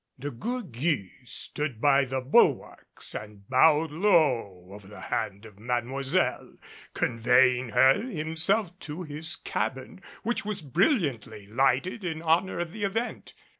De Gourgues stood by the bulwarks and bowed low over the hand of Mademoiselle, conveying her himself to his cabin which was brilliantly lighted in honor of the event.